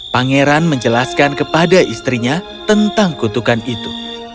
pangeran menjelaskan kepada istrinya tentang kutukan itu